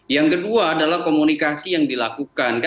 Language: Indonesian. yang kedua adalah komunikasi yang dilakukan